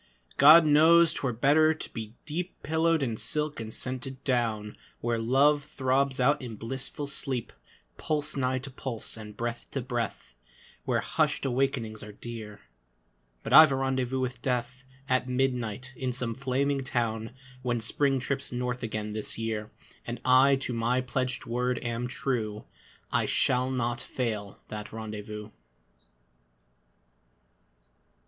God knows 'twere better to be deep Pillowed in silk and scented down, Where Love throbs out in blissful sleep, Pulse nigh to pulse, and breath to breath, Where hushed awakenings are dear ... But I've a rendezvous with Death At midnight in some flaming town, When Spring trips north again this year, And I to my pledged word am true, I shall not fail that rendezvous.